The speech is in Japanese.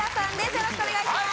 よろしくお願いします